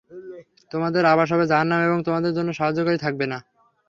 তোমাদের আবাস হবে জাহান্নাম এবং তোমাদের কোন সাহায্যকারী থাকবে না।